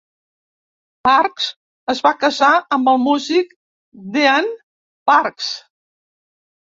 Parks es va casar amb el músic Dean Parks.